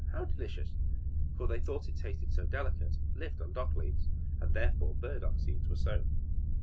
how delicious!" for they thought it tasted so delicate lived on dock leaves, and therefore burdock seeds were sown.